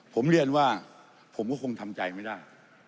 ผมเรียนว่าผมก็คงทำใจไม่ได้